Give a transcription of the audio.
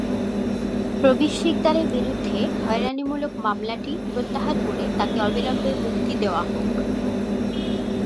প্রবীর সিকদারের বিরুদ্ধে হয়রানিমূলক মামলাটি প্রত্যাহার করে তাঁকে অবিলম্বে মুক্তি দেওয়া হোক।